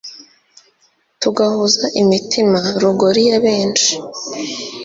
tugahuza imitima, rugoli yabenshi